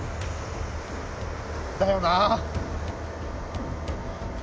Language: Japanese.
だよな。